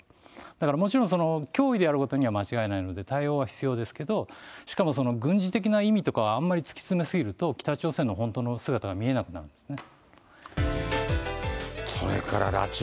だからもちろん、脅威であることには間違いないので、対応は必要ですけど、しかも軍事的な意味とかはあんまり突き詰め過ぎると、北朝鮮の本当の姿が見えなくなるんですね。